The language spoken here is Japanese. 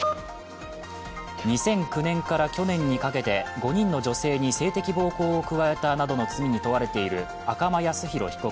２００９年から去年にかけて５人の女性に性的暴行を加えたなどの罪に問われている赤間靖浩被告